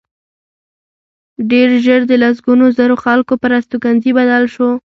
ډېر ژر د لسګونو زرو خلکو پر استوګنځي بدل شو